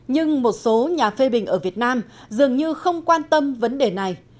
nhưng một số nhà phê bình ở việt nam dường như không quan tâm vấn đề này